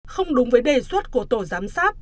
không đúng với đề xuất của tổ giám sát